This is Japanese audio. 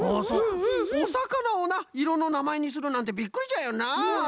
おさかなをないろのなまえにするなんてびっくりじゃよな。